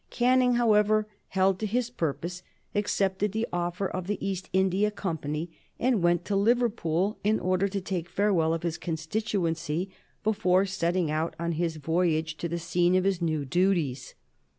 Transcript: Canning, however, held to his purpose, accepted the offer of the East India Company, and went to Liverpool in order to take farewell of his constituency before setting out on his voyage to the scene of his new duties.